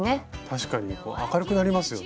確かに明るくなりますよね。